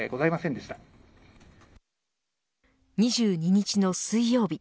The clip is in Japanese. ２２日の水曜日